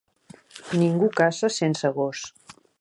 Ningú caça sense gos.